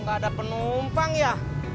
kok gak ada penumpang ya